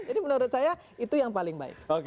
jadi menurut saya itu yang paling baik